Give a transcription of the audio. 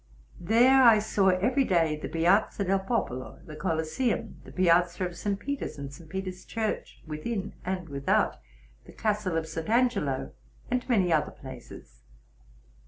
There I saw every day the Piazza del Popolo, the Colosseum, the Piazza of St. Peter's, and St. Peter's Church, within and without, the castle of St. Angelo, aud many other places.